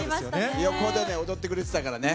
横でね、踊ってくれてたからね。